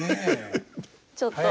ちょっと。